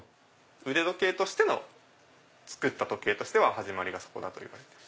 腕時計として作った時計としては始まりがそこだといわれてます。